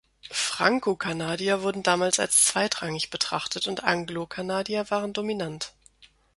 Franko-Kanadier wurden damals als zweitrangig betrachtet, und Anglo-Kanadier waren dominant.